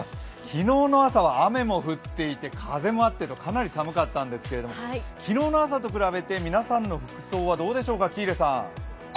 昨日の朝は雨も降っていて風も吹いてとかなり寒かったんですけれど昨日の朝と比べて皆さんの服装はどうでしょうか？